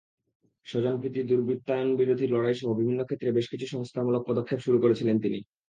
স্বজনপ্রীতি, দুর্বৃত্তায়নবিরোধী লড়াইসহ বিভিন্ন ক্ষেত্রে বেশ কিছু সংস্কারমূলক পদক্ষেপ শুরু করেছিলেন তিনি।